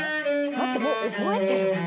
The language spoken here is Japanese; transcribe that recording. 「だってもう覚えてるもん」